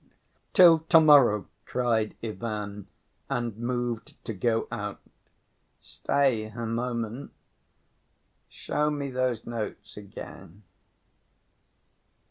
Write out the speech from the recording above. "Till to‐morrow," cried Ivan, and moved to go out. "Stay a moment.... Show me those notes again."